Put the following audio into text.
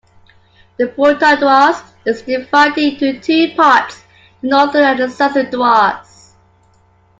The Bhutan Duars is divided into two parts: the northern and the southern Duars.